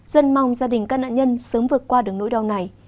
dân mong gia đình các nạn nhân sớm vượt qua được nỗi đau này